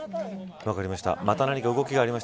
分かりました。